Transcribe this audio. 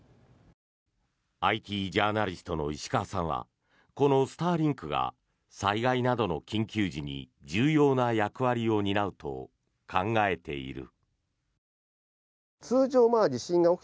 ＩＴジャーナリストの石川さんはこのスターリンクが災害などの緊急時に重要な役割を担うと考えている。